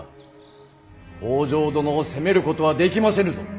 北条殿を責めることはできませぬぞ。